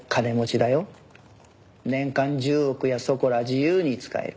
年間１０億やそこら自由に使える。